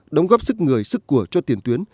đóng góp sức người sức của cho tiền tuyến